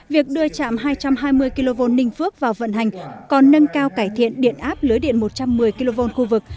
việc đưa chạm hai trăm hai mươi kv ninh phước vào vận hành còn nâng cao cải thiện điện áp lưới điện một trăm một mươi kv khu vực